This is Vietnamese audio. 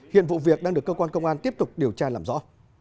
hiện vụ việc đang được cơ quan công an tiếp tục điều tra làm rõ